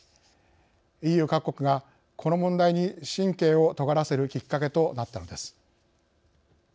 ＥＵ各国がこの問題に神経をとがらせるきっかけとなったのです。